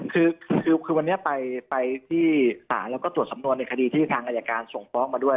คือคือวันนี้ไปที่ศาลแล้วก็ตรวจสำนวนในคดีที่ทางอายการส่งฟ้องมาด้วย